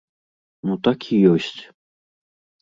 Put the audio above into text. Ну так і ёсць.